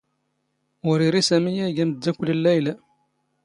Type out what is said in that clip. ⵓⵔ ⵉⵔⵉ ⵙⴰⵎⵉ ⴰⴷ ⵉⴳ ⴰⵎⴷⴷⴰⴽⵯⵍ ⵏ ⵍⴰⵢⵍⴰ.